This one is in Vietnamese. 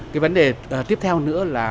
cái vấn đề tiếp theo nữa là